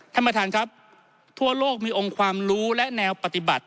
ท่านประธานครับทั่วโลกมีองค์ความรู้และแนวปฏิบัติ